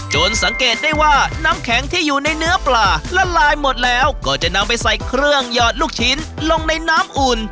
สังเกตได้ว่าน้ำแข็งที่อยู่ในเนื้อปลาละลายหมดแล้วก็จะนำไปใส่เครื่องหยอดลูกชิ้นลงในน้ำอุ่น